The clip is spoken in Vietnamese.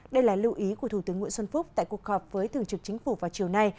đây là lưu ý của thủ tướng nguyễn xuân phúc tại cuộc họp với thường trực chính phủ vào chiều nay